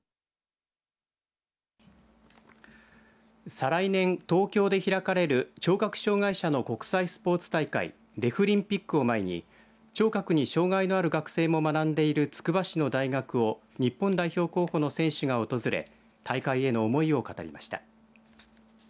再来年、東京で開かれる聴覚障害者の国際スポーツ大会デフリンピックを前に聴覚に障害のある学生も学んでいるつくば市の大学を日本代表候補の選手が訪れ大会への思いを語りました。